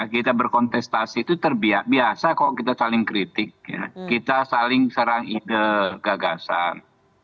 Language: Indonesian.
kita berkontestasi itu terbiasa kok kita saling kritik kita saling serang ide gagasan